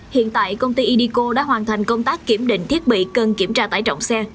hiện tại công ty indico đã hoàn thành công tác kiểm định thiết bị cần kiểm tra tải trọng xe